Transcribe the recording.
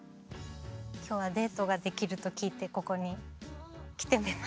今日はデートができると聞いてここに来てみました。